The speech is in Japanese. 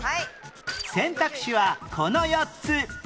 選択肢はこの４つ